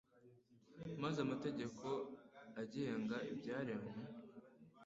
maze amategeko agenga ibyaremwe